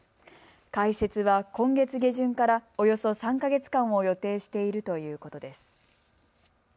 開設は今月下旬からおよそ３か月間を予定しているということです。